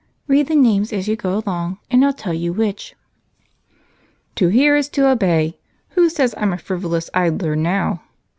Read the names as you go along and I'll tell you which." "To hear is to obey. Who says I'm a 'frivolous idler' now?"